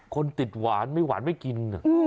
คนติดหวานไม่หวานไม่กิน